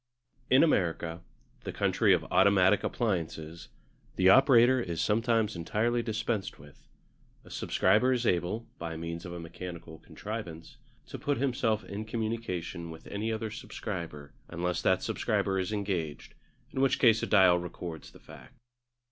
In America, the country of automatic appliances, the operator is sometimes entirely dispensed with. A subscriber is able, by means of a mechanical contrivance, to put himself in communication with any other subscriber unless that subscriber is engaged, in which case a dial records the fact.